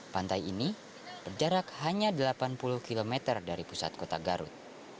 pantai ini berjarak hanya delapan puluh km dari pusat kota garut